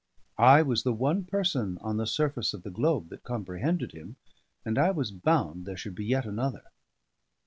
I was the one person on the surface of the globe that comprehended him, and I was bound there should be yet another.